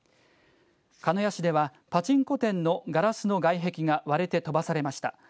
鹿屋市では、パチンコ店のガラスの外壁が割れて飛ばされました。